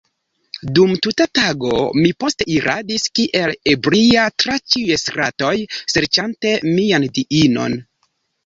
Dum tuta tago mi poste iradis kiel ebria tra ĉiuj stratoj, serĉante mian diinon.